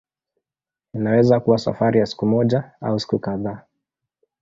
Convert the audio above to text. Inaweza kuwa safari ya siku moja au siku kadhaa.